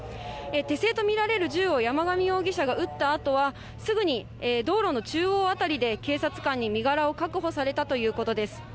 手製と見られる銃を山上容疑者が撃ったあとは、すぐに道路の中央辺りで、警察官に身柄を確保されたということです。